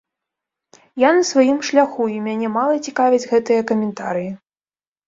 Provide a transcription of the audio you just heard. Я на сваім шляху, і мяне мала цікавяць гэтыя каментарыі.